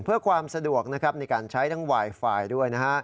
เพื่อความสะดวกในการใช้ทั้งไวไฟด้วยนะฮะ